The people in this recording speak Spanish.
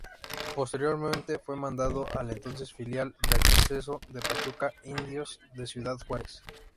Posteriormente, fue mandado al entonces filial de ascenso de Pachuca, Indios de Ciudad Juárez.